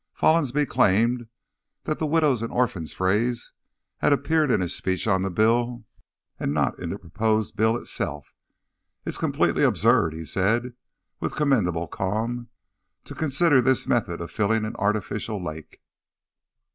Follansbee claimed that the "widows and orphans" phrase had appeared in his speech on the bill, and not in the proposed bill itself. "It's completely absurd," he said, with commendable calm, "to consider this method of filling an artificial lake."